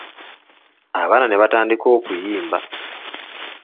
Abaana ne batandika okuyimba.